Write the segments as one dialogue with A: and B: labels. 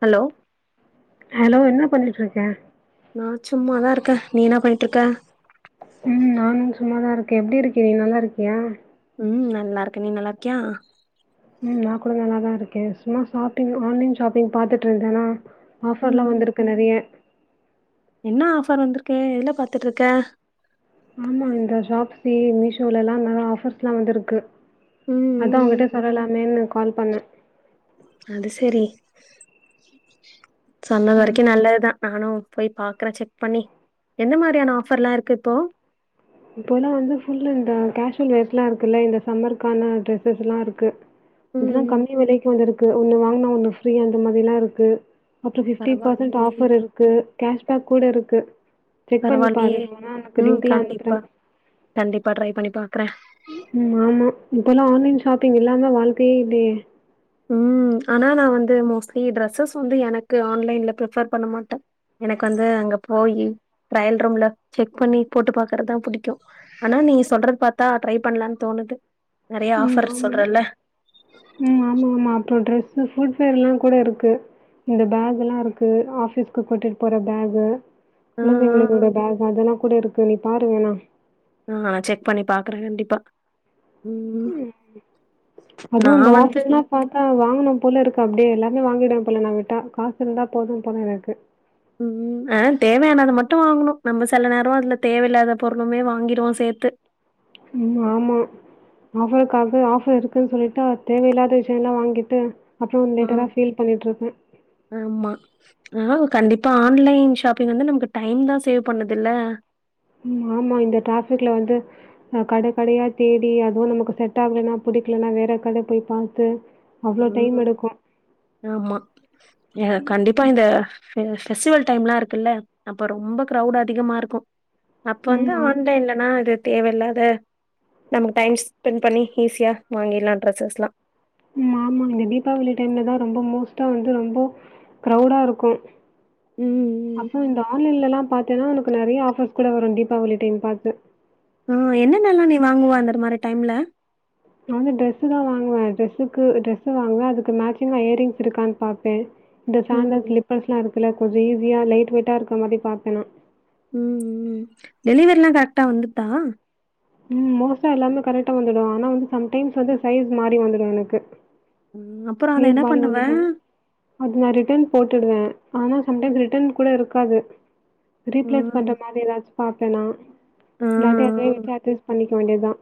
A: Hello
B: hello என்ன பண்ணிட்ருக்க
A: அ சும்மாதா இருக்க நீ என்னா பண்ணிட்ருக்க
B: ம் நானு சும்மாதா இருக்கே எப்டி இருக்க நீ நல்லாருக்கியா
A: ம் நல்லார்க்கே நீ நல்லார்க்கியா
B: ம் நா கூட நல்லாதாருக்கே சும்மா ஷாப்பிங் ஆன்லைன் ஷாப்பிங் பாத்துட்ருந்தனா
A: ம்
B: ஆஃபர்ல்லா
A: ம்
B: வந்துருக்கு நறைய
A: என்ன ஆஃபர் வந்துருக்கு எதுல பாத்துட்ருக்க
B: ஆமா இந்த ஷாப்ஸி மீஷோலலா நல்ல ஆஃபர்ஸ்லா வந்துருக்கு
A: ம் ம்
B: அதா உங்கட்ட
A: ம்
B: சொல்லலாமேன்னு கால் பண்ண
A: அது செரி சொன்ன வரைக்கு நல்லதுதா நானு போய் பாக்ற செக் பண்ணி எந்த மாரியான ஆஃபர்லா இருக்கு இப்போ
B: இப்போலா வந்து ஃபுல்லு இந்த கேஷுவல் வேர்ஸ்லா இருக்குல்ல இந்த சம்மருக்கான டிரெஸ்ஸஸ்லா இருக்கு
A: ம்
B: அதல்லா
A: ம்
B: கம்மி வெலைக்கு வந்திருக்கு ஒண்ணு வாங்குனா ஒண்ணு ஃப்ரீ அந்த மாதிலா இருக்கு அப்றோ ஃபிஃப்டி பர்சன்ட்
A: பரவாயில்லயே
B: ஆஃபர் இருக்கு கேஷ்பேக் கூட இருக்கு செக் பண்ணி பாருணோனா ஒனக்கு லின்க்குலா அனுப்
A: பா கண்டிப்பா ட்ரை பண்ணி பாக்குற
B: ம் ஆமா இப்போல்லா ஆன்லைன் ஷாப்பிங் இல்லாம வாழ்கையே இல்லயே
A: ம் ஆனா நா வந்து மோஸ்ட்லி ட்ரெஸ்ஸஸ் வந்து எனக்கு ஆன்லைன்ல பிஃபர் பண்ண மாட்ட எனக்கு வந்து அங்க போயி ட்ரயல் ரூம்ல செக் பண்ணி போட்டு பாக்கறதா புடிக்கு ஆனா நீங்க சொல்றது பாத்தா ட்ரை பண்லான்னு தோணுது நறையா
B: ம்
A: ஆஃபர்ஸ்
B: ஆமா.
A: சொல்றல
B: ம் ஆமா, ஆமா. அப்புறம் ட்ரெஸ்ஸு ஃபுட்வேரெல்லாங் கூட இருக்கு இந்த பேகுலா இருக்கு ஆஃபிஸ்க்கு கூட்டிட்டு போற பேகு
A: அ,
B: குழந்தைங்களோட
A: அ.
B: பேகு அதெல்லா கூட இருக்கு நீ பாரு வேணா
A: ஆ செக் பண்ணி பாக்குற கண்டிப்பா
B: ம் அதுவு அந்த
A: நான் வந்து
B: ஆஃபீஸ்லா பாத்தா வாங்கனு போல இருக்கு அப்டியே எல்லாமே வாங்கிட போல நா விட்டா காசு இருந்தா போது போல இருக்கு
A: ம் அ தேவயானத மட் டு வாங்கனு நம்ம செல நேரோ அதுல தேவ இல்லாத பொருளுமே வாங்கிருவோ சேத்து
B: ம் ஆமா ஆஃபர்க்காக ஆஃபர் இருக்குன் சொல்லிட்டு தேவ இல்லாத விஷயோல்லா வாங்கிட்டு அப்புறம்
A: ம்
B: லேட்டரா ஃபீல் பண்ணிட்டுருக்கேன்.
A: ஆமா ஆஹ் கண்டிப் ப்பா ஆன்லைன் ஷாப்பிங் வந்து நமக்கு டைம் தா சேவ் பண்ணுதுல்ல
B: ம் ஆமா இந்த ட்ரஃபிக்ல வந்து கட கடயா தேடி அதுவு நமக்கு செட்டாகலனா பு புடிக்லன்னா வேற கட போய் பாத்து அவ்ளோ டைம்
A: ம்
B: எடுக்கும்.
A: ஆமா ஏன் கண்டிப்பா இந்த ஃபெ ஃபெஸ்ஸிவல் டைம்லா இருக்குல்ல அப்ப ரொம்ப க்ரௌடு அதிகமா இருக்கு அப்ப
B: ம்
A: வந்து
B: ஆ
A: ஆன்லைலனா அது தேவ இல்லாத நமக்கு டைம் ஸ்பெண்ட் பண்ணி ஈஸியா வாங்கிர்லா ட்ரெஸ்ஸஸ்லா
B: ம் ஆமா இந்த தீபாவளி டைம்ல தா ரொம்ப மோஸ்ட்டா வந்து ரொம்போ க்ரௌடா இருக்கு
A: ம்.
B: அப்றோ இந்த ஆன்லைலல்லா பாத்தேன்னா ஒனக்கு நறையா ஆஃபர்ஸ் கூட வரு தீபாவளி டைம் பாத்து
A: ஆஹ் என்னனல்லா நீ வாங்குவா அந்தர் மாரி டைம்ல
B: நா வந்து டிரெஸ்சு தா வாங்குவ டிரெஸ்சுக்கு டிரெஸ்சு வாங்குவ அதுக்கு மேச்சிங்கா இயரிங்ஸ் இருக்கான் பாப்ப இந்த சாண்டல்
A: ம்.
B: ஸ்லிப்பர்ஸ்லா இருக்குல கொஞ்சோ ஈஸியா லைட் வெயிட்டா இருக்க மாரி பாப்பனா
A: ம் ம் டெலிவெரில்லா கரக்ட்டா வந்துட்தா
B: ம் மோஸ்ட்டா எல்லாமே கரெட்டா வந்துடு ஆனா வந்து சம்டைம்ஸ் வந்து சைஸ் மாறி வந்துரு எனக்கு
A: ம் அப்புறோ அத
B: சைஸ்
A: என்ன
B: மாறி
A: பண்ணுவ?
B: வந்துடு அது நா ரிட்டன் போட்டுடுவே ஆனா சம்டைம் ரிட்டன் கூட இருக்காது ரீப்ளேஸ்
A: ம்
B: பண்ற மாதி எதாச்சு பாப்பே நா
A: ஆ
B: இல்லாட்டி அதுவே வச்சு அட்ஜஸ் பண்ணிக்க வேண்டிதா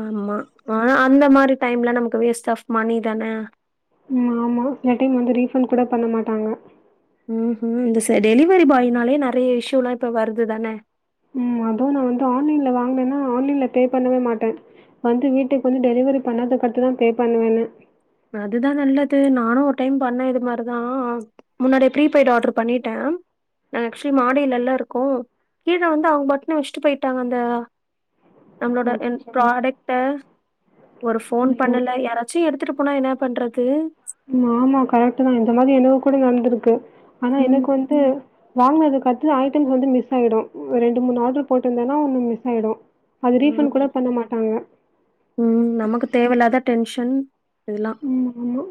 A: ஆமா ஆனா அந்த மாரி டைம்ல நமக்கு வேஸ்ட் ஆஃப் மணி தான
B: ம் ஆமா சிலட்டைம் வந்து ரீஃபண்ட் கூட பண்ண மாட்டாங்க
A: ம் ஹும் இந்த ச டெலிவெரி பாய்னாலே நறைய இஷூலா இப்ப வருது தான
B: ம் அதுவு நா வந்து ஆன்லைன்ல வாங்குனன்னா ஆன்லைன்ல பே பண்ணவே மாட்ட வந்து வீட்டுக்கு வந்து டெலிவரி பண்ணாதுக்கடுத்துதா பே பண்ணுவேனு
A: அதுதா நல்லது நானு ஒரு டைம் பண்ண இது மாரிதா முன்னாடி ப்ரீபெய்டு ஆட்ரு பண்ணிட்டே நாங்க அக்சுவலி மாடிலல்ல இருக்கோ கீழ வந்து அவுங்க பாட்ணு வெச்ட்டு பேய்ட்டாங்க அந்த நம்மளோட என்
B: அச்சச்சோ!
A: ப்ராடக்ட்ட ஒரு ஃபோன்
B: ஐயோ!
A: பண்ணல யாராச்சும் எடுத்துட்டுப் போனா என்னா பண்றது
B: ஆமா கரெக்ட்டு தான் இந்த மாதிரி எனக்கு கூட நடந்துருக்கு ஆனா எனக்கு
A: ம்
B: வந்து வாங்குனதுக்கட்த்துதா ஐட்டம்ஸ் வந்து மிஸ் ஆயிடும் ஒரு ரெண்டு மூணு ஆட்ரு போட்ருந்தேன்னா ஒன்னு மிஸ் ஆயிடோ அது ரீஃபண்ட் கூட பண்ண மாட்டாங்க
A: உம் நமக்கு தேவயில்லாத டென்ஷன் இதெல்லா
B: உம் ம்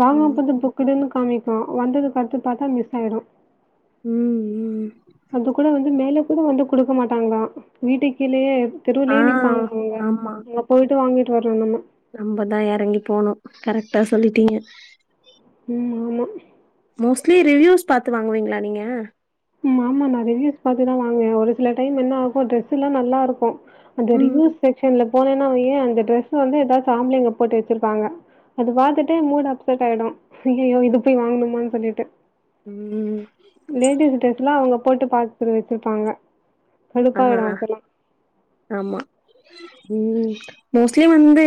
B: வாங்கான போது
A: ம்
B: புக்குடுன்னு காமிக் கும் வந்தது பட்சிச்சி பாத்தா மிஸ் ஆயிடும்
A: ம் ம்
B: அது கூட வந்து மேலே கொண்டு வந்து குடுக்க மாட்டாங்கலாம் வீட்டுக்கு கீழயே
A: ஆ
B: தெருவுலயே நிப்பாங்க அவுங்க அங்க போயிட்டு வாங்கிட் டு வரணுமா
A: நம்பதான் எறங்கி போனும் கரெக்ட்டா சொல்லிட்டீங்க
B: உம் ஆமா
A: ஃபிரி ரிவ்யூஸ் பாத்து வாங்குவீங்களா நீங்க
B: ம் ஆமாமா ரிவ்வியூஸ் பாத்துதான் வாங்குவேன் ஒரு சில டைம் என்னஆகும் ட்ரெஸ்ல்லாம் நல்லாருக்கும் அந்த
A: ம்
B: ரிவ்வியூஸ் செக்சன்ல போனேன்னா வையேன் அந்த ட்ரெஸ்ச வந்து ஏதாச்சு ஆம்பளைங்க போட்டு வச்சிருப்பாங்க அது பாத்துட்டு மூடு அப்செட் ஆயிடும் ஐயயோ இது போய் வாங்கணுமானு சொல்லிட்டு
A: ம்
B: லேடிஸ் ட்ரெஸ்லாம் அவங்க போட்டு பாத்து வச்சிருப்பாங்க
A: ஆஹா
B: கடுப்பாயிடும் அப்பலாம்.
A: ஆமா உம் மோஸ்லி வந்து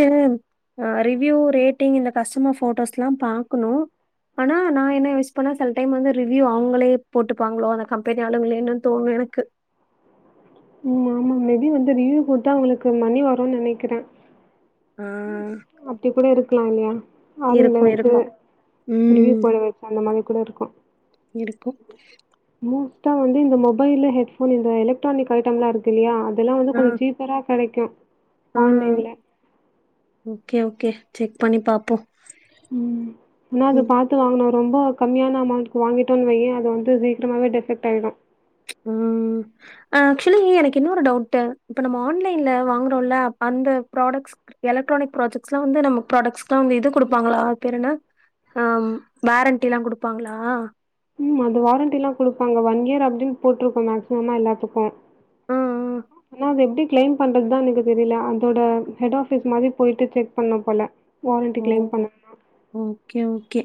A: ஆஹ் ரிவ்யூ ரேட்டிங் இந்த கஸ்டமர் போட்டோஸ்ல்லாம் பாக்கணும் ஆனா நான் என்ன யோசிப்பேன்னா செல டைம் வந்து ரிவ்யூ அவுங்களே போட்டுப்பாங்களோ அந்த கம்பெனி ஆளுங்களேன்னு தோணுவ இருக்கு
B: உம் ஆமா மேபி வந்து ரிவியூஸ் குடுத்தா அவளுக்கு மணி வரும்னு நெனைக்கிற
A: ஆ
B: ம் அப்படி கூட இருக்கலாம் இல்லையா ஆளுங்கல
A: இருக்கு
B: வச்சி
A: இருக்கு
B: ரிவிவ் போட வச்சி அந்த மாரி கூட இருக்கும்
A: இருக்கும்
B: ப்றோ வந்து இந்த மொபைலு ஹெட்ஃபோன் இந்த எலக்ட்ரானிக் ஐட்டம்லாம் இருக்கு இல்லையா அதெல்லாம் வந்து கொஞ்சோ சீப்பரா கிடைக்கும்
A: ஆ ஆ ஓகே ஓகே செக் பண்ணி பாப்போம்
B: ம் ன்னா அது பாத்து வாங்கனும் ரொம்ப கம்மியான அமௌண்ட்ல வாங்கிட்டோன்னு வையன் அது வந்து சீக்கிரமே டிபெக்ட் ஆயிடும்
A: உம் ஆக்சுவலி எனக்கு இன்னொரு டவுட்ட இப்ப நம்ம ஆன்லைன்ல வாங்கறோம்ல்ல அந் த ப்ராடக்ட்ஸ்க் எலக்ட்ரானிக் ப்ராஜெக்ட்லாம் வந்து நம்ம ப்ராடக்ட்ஸ்லாம் வந்து இது குடுப்பாங்களா அது பேரு என்ன ஹம் வேரண்டில்லாம் கொடுப்பாங்களா
B: ம் அது வாரண்டிலாம் கொடுப்பாங்க ஒன் இயர் அப்டின்னு போட்டிருக்கும் மேக்சிமமா எல்லாதுக்கும்
A: ஆ ஆ.
B: ஆனா அது எப்டி கிளைம் பண்றது தான் எனக்கு தெரியல அதோட ஹெட் ஆபீஸ் மாதிரி போயிட்டு செக் பண்ணும் போல வாரண்ட்டி
A: ஓ
B: கிளைம் பண்ணனுனா
A: ஓகே, ஓகே.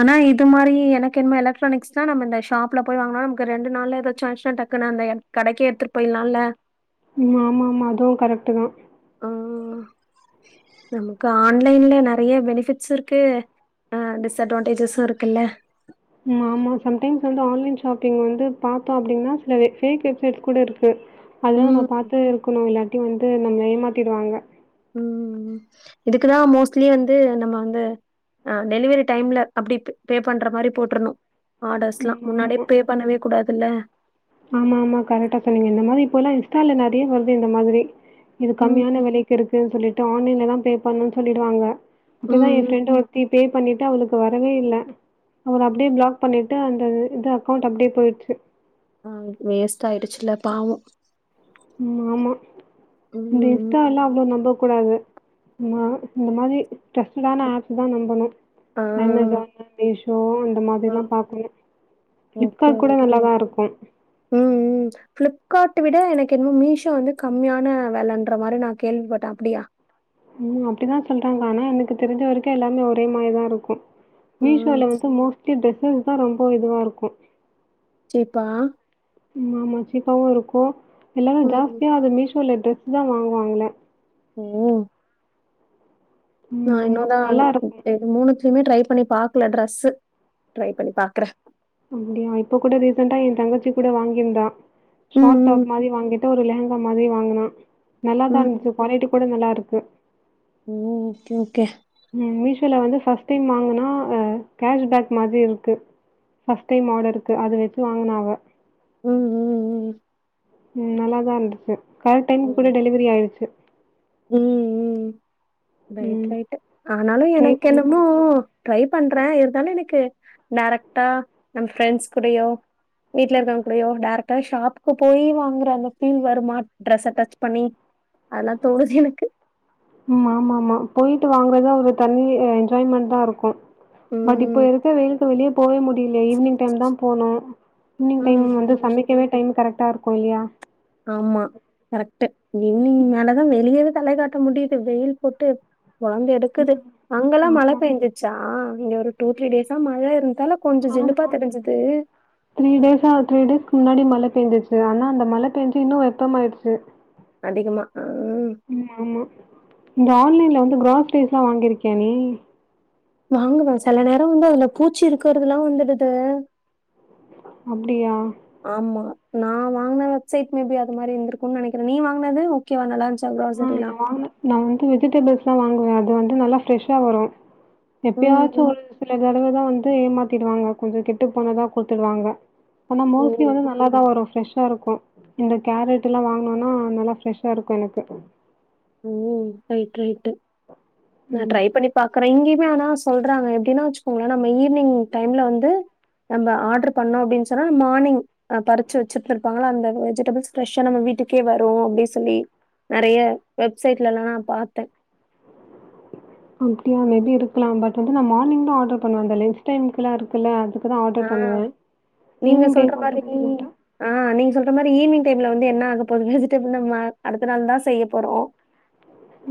A: ஆனா இது மாறி எனக்கென எலக்ட்ரானிக்ஸ் தான் நம்ம இந்த ஷாப்ல போய் வாங்கநா நமக்கு ரெண்டு நாள்ள எதாச்சும் ஆயிச்சனா டக்குன்னு அந்த கடைக்கு எடுத்துட்டு போய்லால்ல
B: ம் ஆமாமா அதுவும் கரெக்ட்டு தான்
A: ஹாஹ நமக்கு ஆன்லைன்ல நெறைய பெனிஃபிட்ஸ் இருக்கு அஹ் டிஸ்அட்வான்டேஜஸ்ஸும் இருக்குல்ல
B: ம் ஆமா சம்டைம்ஸ் வந்து ஆன்லைன் ஷாப்பிங் வந்து பாத்தா அப்டின்னா சில பேக் வெப்சைட்ஸ் கூட இருக்கு அதெல்லாம் நம்ம
A: ம்,
B: பாத்து இருக்கணும் இல்லாட்டி வந்து நம்ம ஏமாத்திடுவாங்க
A: ம் ம் இதுக்குதான் மோஸ்ட்லி வந்து நம்ம வந்து அஹ் டெலிவரி டைம்ல அப்டிப் பேப்பண்ற மாரி போட்ருணும்
B: ம்.
A: ஆர்டர்ஸ்லாம் முன்னாடியே பே பண்ணவே கூடாதுல்ல
B: ஆமாமா கரெக்டா சொன்னிங்க இந்த மாதிரி இப்ப எல்லாம் இன்ஸ்டால நெற அப்டியே வருது இந்த மாதிரி இது
A: ம்,
B: கம்மியான
A: ம்,
B: விலைக்கு இருக்குன்னு சொல்லிட் டு ஆன்லைன்ல தான் பே பண்ணனு சொல்லிடுவாங்க அப்படிதான் என்
A: ம்.
B: பிரெண்டு ஒருத்தி பே பே பண்ணிட்டு அவளுக்கு வரவே இல்ல அவள அப்டியே பிளாக் பண்ணி ட்டு அந்த இது அக்கௌண்ட்டு அப்டியே போயிடுச்சு
A: ஆ வேஸ்ட் ஆய்டுச்சுல பாவ
B: ம் ஆமா இந்த
A: ம்.
B: இன்ஸ்டால்லா அவ்வளவு நம்ம கூடாது இந்த நா இந்தமாரி டீரஷ்டடான ஆப்ஸ் தா நம்பணு
A: ஆ.
B: அமேசான் மீஷோ அந்த
A: ஆ
B: மாரில்லா பாக்கணு
A: ஓகே,
B: பிளிப்கார்ட் கூட
A: ஓகே.
B: நல்லாதா இருக்கு
A: ம் பிளிப் இது விட எனக்கு என்னமோ மீசோ வந்து கம்மியான வெலன்றமாரி நா கேள்விப்பட்ட அப்டியா
B: ம் அப்டித்தா சொல்றாங்கா ஆனா எனக்கு தெரிஞ்ச வரைக்கு எல்லாமே ஒரே மாரிதா இருக்கு
A: ம்.
B: மீஷோல வந்து மோஸ்ட்லி டிரெஸ்ஸஸ் தா ரொம்ப இதுவா இருக்கு
A: சீப்பா
B: ம் ஆமா சீப்பாவு இருக்கு எல்லாரு
A: ம்.
B: ஜாஸ்தியா அது மீஷோல ட்ரெஸ் தா வாங்குவாங்களே
A: ம் ம் நா
B: ம் ஆமா.
A: இன்னோதா
B: நல்லா இருக்கும்.
A: இது மூணுத்துலயுமே ட்ரை பண்ணி பாக்கல ட்ரெஸ் ட்ரை பண்ணி பாக்குறே
B: அப்டியா இப்ப கூட ரீசண்டா ஏ தங்கச்சி கூட வாங்கியிருந்தா ஷார்ட்
A: ம்,
B: டாப் மாரி வாங்கிட்டு ஒரு லெகங்கா மாரி வாங்கனா
A: ம்,
B: நல்லாதா
A: ம்.
B: இருந்துச்சி குவாலிட்டி கூட நல்லாருக்கு
A: ஓ! Okay, okay.
B: ம் மீஷோல வந்து ஃபர்ஸ்ட் டைம் வாங்கனா ஆ கேஷ்பேக் மாறி இருக்கு ஃபர்ஸ்ட் டைம் ஆடருக்கு அத வச்சு வாங்கனா அவ
A: ம் ம் ம்
B: ம் நல்லாதா இருந்துச்சு கரெக்ட் டைமுக்கு கூட டெலிவரி ஆயிருச்சு
A: ம் ம் ரைட்
B: ம்.
A: ரைட் ஆனாலு
B: ட்ரை
A: எனக்கு
B: பண்ணி
A: என்னமோ
B: பாக்கலாம்.
A: ட்ரை பண்றே இருந் தாலு எனக்கு டைரக்டா நம்ப ஃப்ரெண்ட்ஸ் கூடயோ வீட்ல இருக்கவங்க கூடயோ டைரக்டா ஷாப்புக்கு போய்யி வாங்குற அந்த ஃபீல் வருமா ட்ரெஸ்ஸ ஸ்டச் பண்ணி அதல்லா தோணுது எனக்கு
B: ம் ஆமாம்மா போயிட்டு வாங்குறதா ஒரு தனி என்ஜாய்மெண்ட் தா இருக்கு
A: ம்.
B: பட் இப்ப இருக்க வெயிலுக்கு வெளியே போவே முட் டில்லா ஈவினிங் டைம் தா போனு ஈவினிங்
A: ம்,
B: டைம் வந்து
A: ம்,
B: சமைக்கவே டைம் கரெக்டா இருக்கு இல்லையா
A: ஆம்மா கரெக்ட்டு ஈவ்னிங் மேலதா வெளியவே தலைய காட்ட முடியுது வெயில் போட்டு பொழந்து எடுக்குது அங்கெல்லா மழ
B: ஆமாங்க.
A: பேஞ்சிச்சா இங்க ஒரு டூ த்ரீ டேஸா மழை இருந்
B: ஆமா த்ரீ டேஸ்ஸா த்ரீ டேஸ்க் முன்னாடி மழப் பேஞ்சுச்சு ஆனா அந்த மழை பேஞ்சு இன்னு வெப்பமாய்டுச்சு
A: அதிகமா. ஆ.
B: ம் ஆமா இந்த ஆன்லைன்ல வந்து கிராஸ்ரிஸ்ல்லா வாங்கிருக்கியா நீ
A: வாங்குவ செல நேர வந்து அதுல பூச்சி இருக்கிறதுல்லா வந்துடுது
B: அப்டியா
A: நா வாங்குன வெப்சைட் மேபி அது மாரி இருந்துருக்கும்ன்னு நெனைக்கறே நீ வாங்கனது ஓகேவா நால்லாஞ்
B: ஆ நா வாங்குன நா வந்து வெஜிடபிள்ஸ்ல்லா வாங்குவே அது வந்து நல்லா ப்ரெஷ்ஷா வரு
A: ம்,
B: எப்பயாச்சு
A: ம்.
B: ஒரு சில தடவதா வந்து ஏமாத்திடுவாங்க கொஞ்சோ கெட்டு போனதா குடுத்துடுவாங்க ஆன
A: ஓ!
B: மோஸ்ட்லி வந்து நல்லாதா வரும் ஃப்ரஷ் ஷா இருக்கு இந்த கேரட்ல்லா வாங்கினோனா நல்லா ப்ரெஷ்ஷா இருக்கு எனக்கு
A: ஓ ரைட் ரைட்டு நா
B: ம்.
A: ட்ரை பண்ணி பாக்குறே இங்கியு உண்மையானா சொல்றாங்க எப்டின்னா வச்சுக்கோங்களே நம்ம ஈவ்னிங் டைம்ல வந்து நம்ம ஆர்டர் பண்ணோ அப்டின் சொன்னா மார்னிங் அ பறிச்சு வச்சுருந்துருபாங்கள அந்த வெஜிடபிள்ஸ் ப்ரஷ்ஷா நம்ம வீட் வீட்டுக்கே வரு அப்டி சொல்லி நெறைய வெப்சைட்லல்லா நா பாத்தே
B: ம் அப்டியா மேபி இருக்லா பட் வந்து நா மானிங் தா ஆர்டர் பண்ணுவ அந்த லன்ச் டைம்கல்லா இருக்குல அதுக்
A: நா நீங்க சொல்ற
B: டைம்
A: மாரி
B: ஆர்டர் பண்ண மாட்டேன்.
A: அ நீங்க சொல்ற மாரி ஈவ்னிங் டேம்ல வந்து என்ன ஆக போகுது வெஜிடபிள் நம் அடுத்த நாள் தா செய்ய போறோ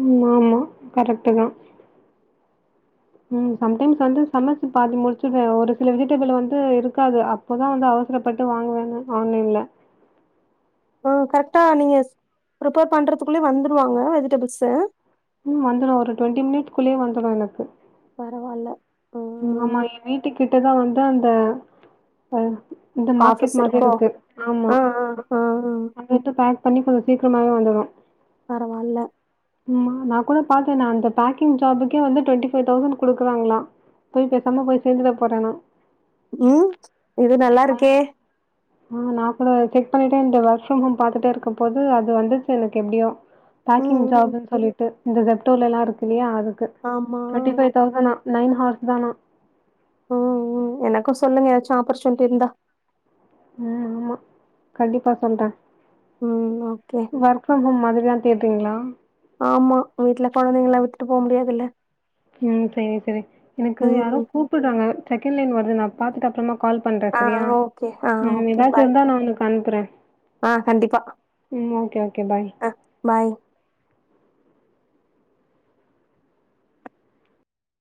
B: ம் ஆமா கரெக்ட்டு தா ம் சம்டைம்ஸ் வந்து சமைச்சு பாத்த முடிச்சுருவே ஒரு சில வெஜிடபிள் வந்து இருக்காது அப்போதா வந்து அவசர அவசர பட்டு வாங்குவாங்க ஆன்லைன்ல
A: ஒ கரெக்டா நீங்க ப்ரிப்பேர் பண்றதுக்குள்ளயே வந்துடுவாங்க வெஜிடபிள்ஸ்ஸு
B: ம் வந்துரு ஒரு டுவெண்டி மினிட்ஸ்குள்யே வந்துரு எனக்கு
A: பரவால்ல
B: ஆமா
A: ம்
B: எ வீட்டுக்கிட்டதா வந்து அந்த அ இந்த மார்க்கெட்
A: ஆஃபீஸ்
B: மாத்ரி
A: இருக்கோ
B: இருக்கு ஆமா
A: ஆ ஆ ஆ ஆ
B: அங்கருந்து பேக் பண்ணி கொஞ்ச சீக் கிமாவே வந்துரு
A: பரவால்ல
B: சும்மா நா கூட பாத்த அந்த பேக்கிங் ஜாபுக்கே வந்து டுவெண்டி ஃபைவ் தௌசண்ட் குடுக்குறாங்களா போய் பேசாம போய் சேந்துட போற நா
A: ம் இது நல்லாருக்கே
B: ஆ நான் கூட செக் பண்ணிட்டேன் இந்த வொர்க் ஃப்ரம் ஹோம் பாத்துட்டே இருக்கும் போது அது வந்துச்சு எனக்கு எப்படியோ
A: ம்
B: பேக்கிங்
A: ம்
B: ஜாப்னு சொல்லிட்டு இந்த ஜப்டோலெல்லாம் இருக்கு இல்லையா அதுக்கு
A: ஆமா
B: டுவெண்டி ஃபைவ் தௌசன்னா நைன் ஹாவர்ஸ் தானா
A: ஆப்பர்சுவனிட்டி இருந்தா
B: ம் ஆம்மா கண்டிப்பா சொல்றேன்
A: ம் ஓகே
B: ஒர்க் ஃப்ரம் ஹோம் மாதிரிதான் கேட்டுறீங்களா
A: ஆமா வீட்டுல குழந்தைங்கெல்லா விட்டுட்டு போக முடியாதுல்ல
B: ம் சேரி சேரி எனக்கு யாரோ
A: ம்
B: கூப்புறாங்க செகண்ட் லைன் வருது நான் பாத்துட்டு அப்புறமா கால் பண்றேன்
A: ஆ
B: சரியா
A: ஓகே ஆ
B: உம்
A: ஓகே
B: ஏதாச்சம்
A: பாய்
B: இருந்தா நான் உனக்கு அனுப்புறேன்.
A: ஆ கண்டிப்பா
B: ம். Okay, okay. பாய்.
A: ஆ பை